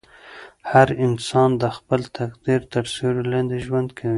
هر انسان د خپل تقدیر تر سیوري لاندې ژوند کوي.